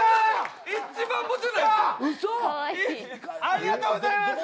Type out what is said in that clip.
ありがとうございます！